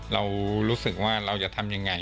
เรารู้สึกว่าเราจะทำยังไง